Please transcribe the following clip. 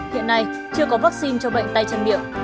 hiện nay chưa có vaccine cho bệnh tay chân miệng